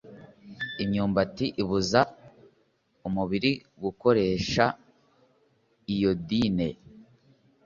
imyumbati ibuza umubiri gukoresha iyodine